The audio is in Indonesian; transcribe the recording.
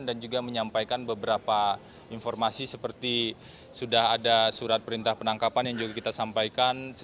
dan juga menyampaikan beberapa informasi seperti sudah ada surat perintah penangkapan yang juga kita sampaikan secara patut